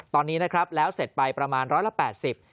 ตอนนี้นะครับแล้วเสร็จไปประมาณ๘๐ล้วง